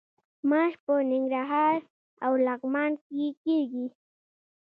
ماش په ننګرهار او لغمان کې کیږي.